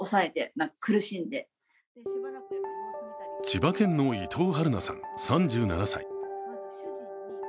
千葉県の伊藤春菜さん３７歳。